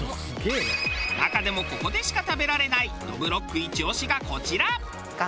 中でもここでしか食べられないどぶろっくイチ押しがこちら。